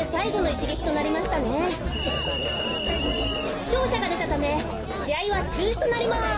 ふしょうしゃがでたためしあいはちゅうしとなります。